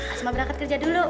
asma berangkat kerja dulu